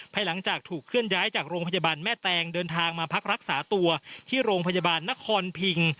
หลังจากถูกเคลื่อนย้ายจากโรงพยาบาลแม่แตงเดินทางมาพักรักษาตัวที่โรงพยาบาลนครพิง